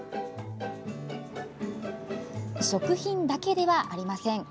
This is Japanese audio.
食品だけではありません。